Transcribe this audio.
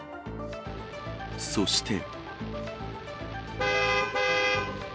そして。